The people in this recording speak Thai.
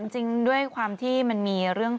จริงด้วยความที่มันมีเรื่อง